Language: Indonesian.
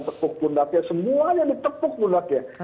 tekuk pundaknya semuanya di tepuk pundaknya